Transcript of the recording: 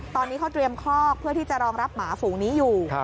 ตอนนี้เขาเตรียมคอกเพื่อที่จะรองรับหมาฝูงนี้อยู่